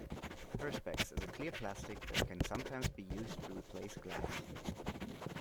Perspex is a clear plastic that can sometimes be used to replace glass